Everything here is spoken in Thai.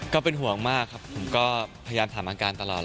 ก็เป็นห่วงมากครับผมก็พยายามถามอาการตลอด